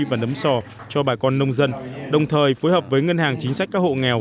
và nấm sò cho bà con nông dân đồng thời phối hợp với ngân hàng chính sách các hộ nghèo